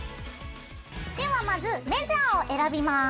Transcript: ではまずメジャーを選びます。